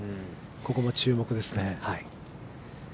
ここも注目ですね。